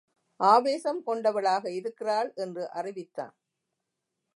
ஆவேசம் கொண்டவளாக இருக்கிறாள் என்று அறிவித்தான்.